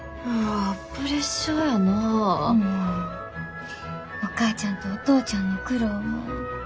お母ちゃんとお父ちゃんの苦労もよう分かる。